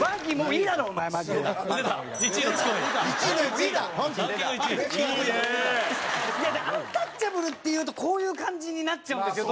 いやだからアンタッチャブルっていうとこういう感じになっちゃうんですよ